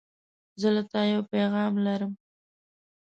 زه له تا یو پیغام لرم.